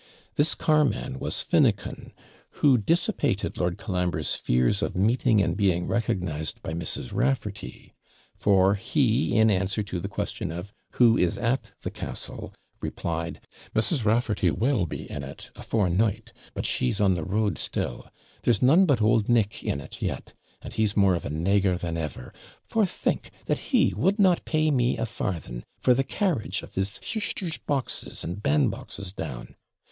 This carman was Finnucan, who dissipated Lord Colambre's fears of meeting and being recognised by Mrs. Raffarty; for he, in answer to the question of, 'Who is at the castle?' replied, 'Mrs. Raffarty will be in it afore night; but she's on the road still. There's none but old Nick in it yet; and he's more of a NEGER than ever; for think, that he would not pay me a farthing for the carriage of his SHISTER'S boxes and bandboxes down.